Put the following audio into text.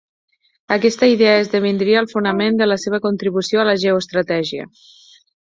Aquesta idea esdevindria el fonament de la seva contribució a la geoestratègia.